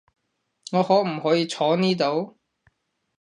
我可唔可以坐呢度？